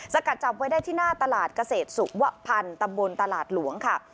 กัดจับไว้ได้ที่หน้าตลาดเกษตรสุวพันธ์ตำบลตลาดหลวงค่ะ